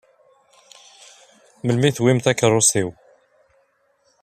Melmi i tewwim takeṛṛust-iw?